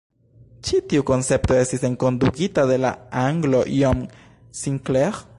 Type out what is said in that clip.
Ĉi tiu koncepto estis enkondukita de la anglo John Sinclair.